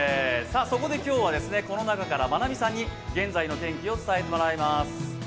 そこで今日はこの中からまなみさんに現在の天気を伝えてもらいます。